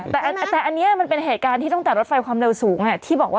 โปรไและแต่อันนี้มันเป็นเหตุการณ์ที่ต้องแต่รถไฟความเร็วสูงนี้ที่บอก